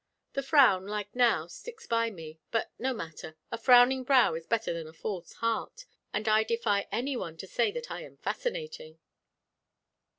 The frown, like now, sticks by me; but no matter a frowning brow is better than a false heart, and I defy anyone to say that I am fascinating."